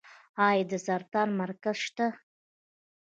آیا د سرطان مرکز شته؟